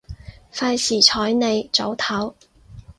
費事睬你，早唞